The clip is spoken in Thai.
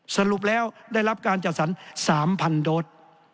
สรุปแล้วได้รับการจัดสรร๓๐๐โดส